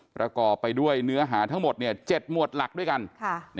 ประกอบไปด้วยเนื้อหาทั้งหมด๗หมวดหลักด้วยกัน